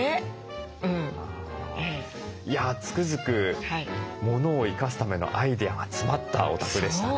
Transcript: つくづくものを生かすためのアイデアが詰まったお宅でしたね。